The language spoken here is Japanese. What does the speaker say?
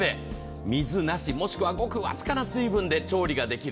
水なしもしくはごく僅かな水分で調理ができる。